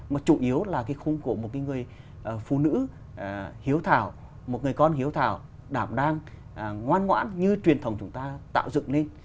mà chủ yếu là cái khung của một người phụ nữ hiếu thảo một người con hiếu thảo đảm đang ngoan ngoãn như truyền thống chúng ta tạo dựng lên